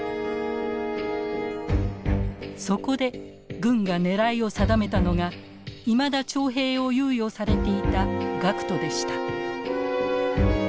そこで軍が狙いを定めたのがいまだ徴兵を猶予されていた学徒でした。